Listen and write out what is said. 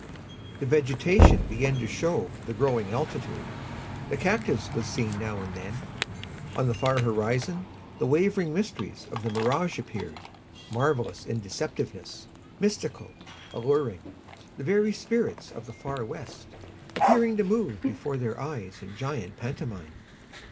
The vegetation began to show the growing altitude. The cactus was seen now and then. On the far horizon the wavering mysteries of the mirage appeared, marvelous in deceptiveness, mystical, alluring, the very spirits of the Far West, appearing to move before their eyes in giant pantomime.